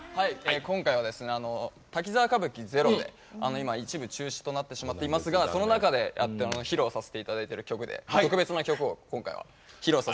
今回はですね滝沢歌舞伎ＺＥＲＯで今一部中止となってしまっていますがその中で披露させていただいてる曲で特別な曲を今回は披露させていただきます。